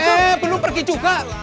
eh belum pergi juga